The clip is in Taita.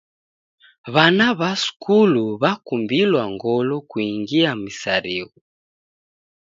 W'ana w'a skulu w'akumbilwa ngolo kungia misarigho.